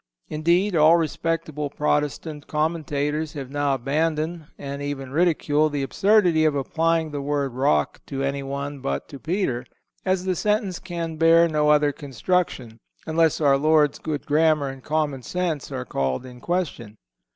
__"_ Indeed, all respectable Protestant commentators have now abandoned, and even ridicule, the absurdity of applying the word rock to anyone but to Peter; as the sentence can bear no other construction, unless our Lord's good grammar and common sense are called in question.